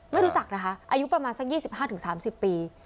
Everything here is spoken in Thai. ไม่รู้จักนะคะอายุประมาณสัก๒๕๓๐ปี